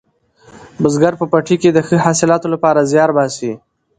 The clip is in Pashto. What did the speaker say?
بزګر په پټي کې د ښه حاصلاتو لپاره زیار باسي